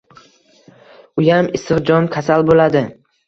Uyam issiq jon, kasal bo‘ladi.